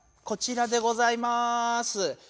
こちらでございます。